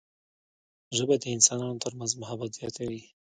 ژبه د انسانانو ترمنځ محبت زیاتوي